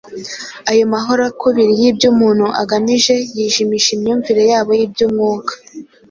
Ayo maharakubiri y’ibyo umuntu agamije yijimisha imyumvire yabo y’iby’Umwuka.